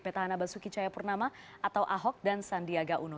petahana basuki caya purnama atau ahok dan sandiaga uno